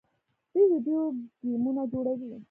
دوی ویډیو ګیمونه جوړوي.